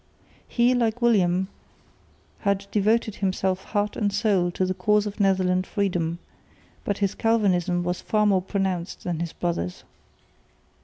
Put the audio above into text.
He, like William, had devoted himself heart and soul to the cause of Netherland freedom, but his Calvinism was far more pronounced than his brother's.